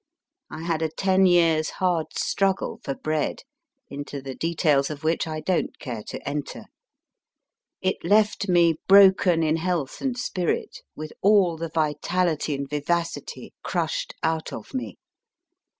I had a ten years hard struggle for bread, into the details of which I don t care to enter. It left me broken in health and spirit, with all the vitality and vivacity crushed out of me.